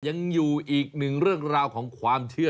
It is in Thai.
ยังอยู่อีกหนึ่งเรื่องราวของความเชื่อ